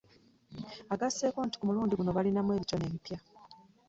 Agasseeko nti ku mulundi guno balinamu ku bitone ebipya